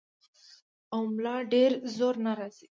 او ملا ډېر زور نۀ راځي -